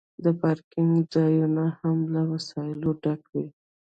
د پارکینګ ځایونه هم له وسایلو ډک وي